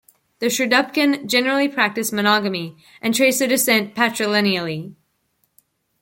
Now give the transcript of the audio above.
The Sherdukpen generally practice monogamy and trace their descent patrilineally.